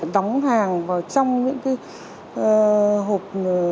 đóng hàng vào trong những hộp thực phẩm chức năng thuốc tân dược hay là hộp sữa của trẻ em